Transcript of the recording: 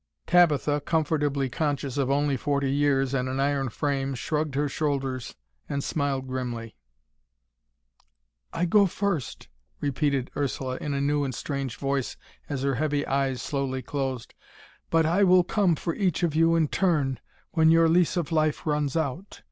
Tabitha, comfortably conscious of only forty years and an iron frame, shrugged her shoulders and smiled grimly. "I go first," repeated Ursula in a new and strange voice as her heavy eyes slowly closed, "but I will come for each of you in turn, when your lease of life runs out.